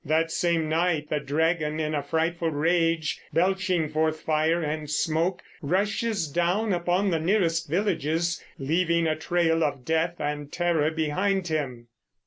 That same night the dragon, in a frightful rage, belching forth fire and smoke, rushes down upon the nearest villages, leaving a trail of death and terror behind him.